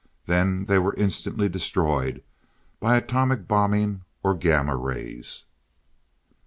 Then they were instantly destroyed by atomic bombing, or gamma rays.